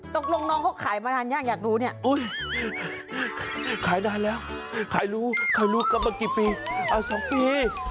ตกลงน้องเขาขายมานานยากอยากรู้เนี่ยขายนานแล้วขายรู้ใครรู้กันมากี่ปี๒ปี